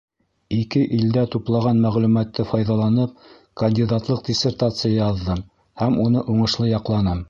Ике илдә туплаған мәғлүмәтте файҙаланып, кандидатлыҡ диссертацияһы яҙҙым һәм уны уңышлы яҡланым.